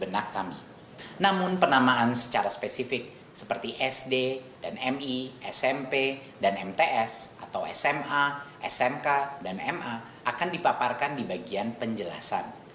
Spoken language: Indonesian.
namun penamaan secara spesifik seperti sd mi smp dan mts akan dipaparkan di bagian penjelasan